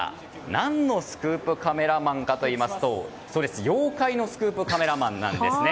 何のスクープカメラマンかといいますと妖怪のスクープカメラマンです。